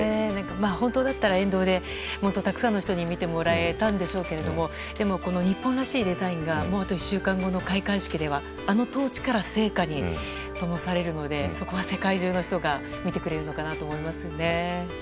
本当だったら、沿道でもっとたくさんの人に見てもらえたんでしょうけどでも、日本らしいデザインがあと１週間後の開会式ではあのトーチから聖火にともされるのでそこは世界中の人が見てくれるのかなと思いますよね。